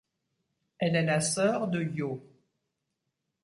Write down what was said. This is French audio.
Elle est la sœur de Io.